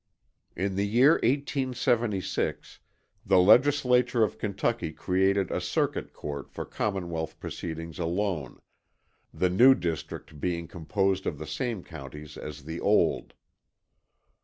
In the year 1876 the Legislature of Kentucky created a Circuit Court for Commonwealth proceedings alone, the new district being composed of the same counties as the old.